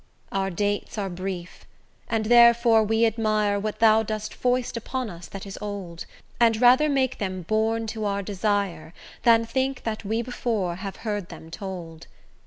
Our dates are brief, and therefore we admire What thou dost foist upon us that is old; And rather make them born to our desire Than think that we before have heard them told.